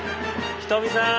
人見さん。